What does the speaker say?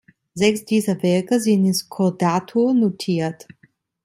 Sechs dieser Werke sind in Skordatur notiert.